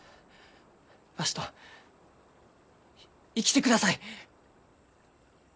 わしと生きてください！